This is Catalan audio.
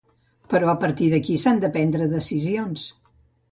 Però a partir d’aquí s’han de prendre decisions.